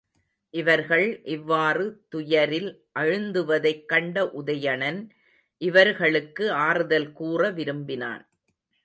இவர்கள் இவ்வாறு துயரில் அழுந்துவதைக் கண்ட உதயணன் இவர்களுக்கு ஆறுதல் கூற விரும்பினான்.